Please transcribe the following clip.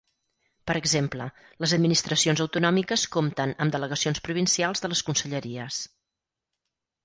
Per exemple: les administracions autonòmiques compten amb Delegacions provincials de les Conselleries.